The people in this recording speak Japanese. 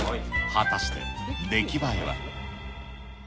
果たして、出来栄えは。